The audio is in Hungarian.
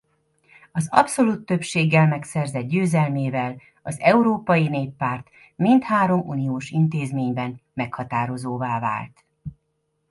Az abszolút többséggel megszerzett győzelmével az Európai Néppárt mindhárom uniós intézményben meghatározóvá vált.